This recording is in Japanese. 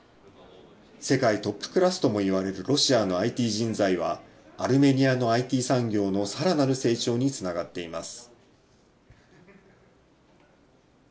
世界トップクラスともいわれるロシアのＩＴ人材は、アルメニアのＩＴ産業のさらなる成長につながっています。